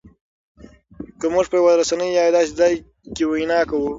که مونږ په یوه رسنۍ او یا داسې ځای کې وینا کوو